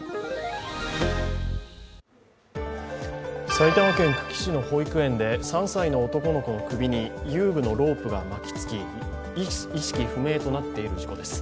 埼玉県久喜市の保育園で３歳の男の子の首に遊具のロープが巻きつき意識不明となっている事故です。